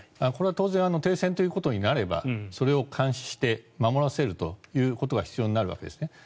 これは当然停戦ということになればそれを監視して守らせることが必要になるわけですね。